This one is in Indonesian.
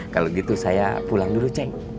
kalau gitu saya pulang dulu ceng